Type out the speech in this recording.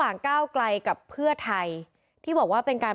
ทางคุณชัยธวัดก็บอกว่าการยื่นเรื่องแก้ไขมาตรวจสองเจน